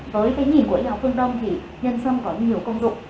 với cái nhìn của y học phương đông thì nhân dân có nhiều công dụng